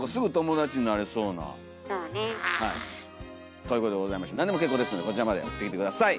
ということでございましてなんでも結構ですのでこちらまで送ってきて下さい！